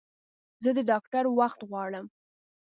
زه د ډاکټر وخت غواړم